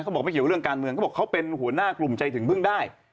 บอกไม่เกี่ยวเรื่องการเมืองเขาบอกเขาเป็นหัวหน้ากลุ่มใจถึงพึ่งได้